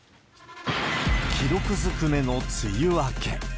記録ずくめの梅雨明け。